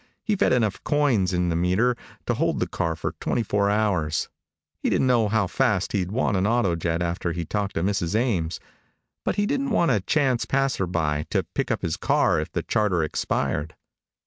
He fed enough coins in the meter to hold the car for twenty four hours. He didn't know how fast he'd want an autojet after he talked to Mrs. Ames, but he didn't want a chance passer by to pick up his car if the charter expired.